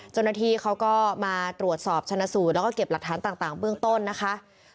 เจ้าหน้าที่เขาก็มาตรวจสอบชนะสูตรแล้วก็เก็บหลักฐานต่างเบื้องต้นนะคะ